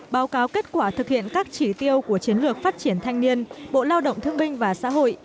báo cáo kết quả thực hiện các chỉ tiêu của chiến lược phát triển thanh niên bộ lao động thương binh và xã hội